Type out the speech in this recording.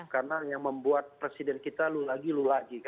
karena yang membuat presiden kita lulagi lulagi